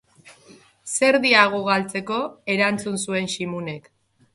Zer diagu galtzeko? Erantzun zuen Ximunek.